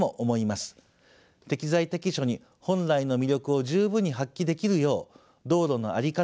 適材適所に本来の魅力を十分に発揮できるよう道路の在り方